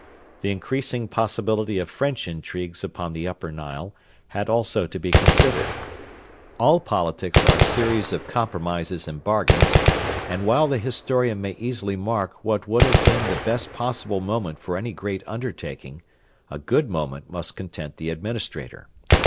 The increasing possibility of French intrigues upon the Upper Nile had also to be considered. All politics are series of compromises and bargains, and while the historian may easily mark what would have been the best possible moment for any great undertaking, a good moment must content the administrator.